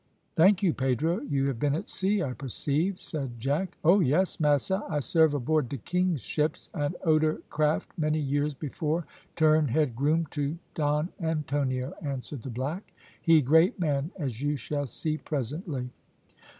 "Thank you, Pedro you have been at sea, I perceive," said Jack. "Oh yes, massa. I serve aboard de King's ships, and oder craft many years before turn head groom to Don Antonio," answered the black. "He great man, as you shall see presently."